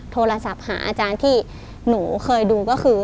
โทรศัพท์หาอาจารย์ที่หนูเคยดูก็คือ